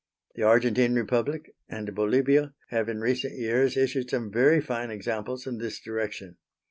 The Argentine Republic and Bolivia have in recent years issued some very fine examples in this direction.